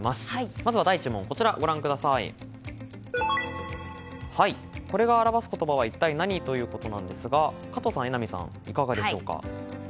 まずは第１問、これが表す言葉は一体何？ということなんですが加藤さん、榎並さんいかがでしょうか。